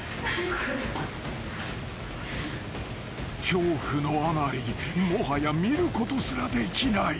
［恐怖のあまりもはや見ることすらできない］